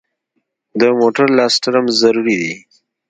د موټر لاس ترمز ضروري دی.